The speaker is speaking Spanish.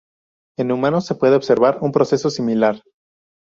En humanos se puede observar un proceso similar.